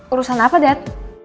urusan apa dad